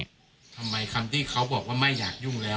ทำไมคำที่เขาบอกว่าไม่อยากยุ่งแล้ว